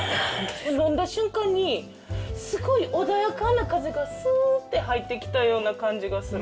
飲んだ瞬間にスゴイ穏やかな風がスッて入ってきたような感じがする。